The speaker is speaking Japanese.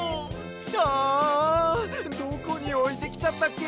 ああどこにおいてきちゃったっけ？